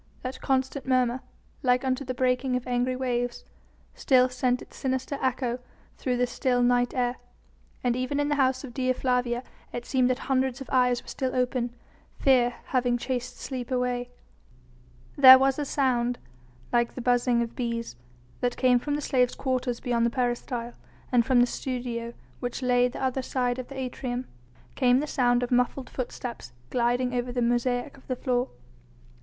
That constant murmur like unto the breaking of angry waves still sent its sinister echo through the still night air, and even in the house of Dea Flavia it seemed that hundreds of eyes were still open, fear having chased sleep away. There was a sound like the buzzing of bees that came from the slaves' quarters beyond the peristyle, and from the studio, which lay the other side of the atrium, came the sound of muffled footsteps gliding over the mosaic of the floor.